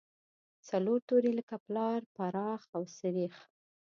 څلور توري لکه پلار، پراخ او سرېښ.